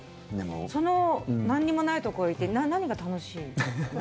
そのなんにもないところに行って、何が楽しいの？